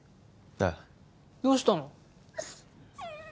ああどうしたの？